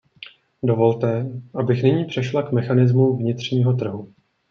Dovolte, abych nyní přešla k mechanismům vnitřního trhu.